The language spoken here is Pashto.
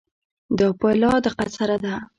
دا په لا دقت سره ده.